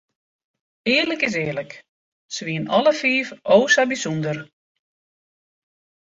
Earlik is earlik, se wienen alle fiif o sa bysûnder.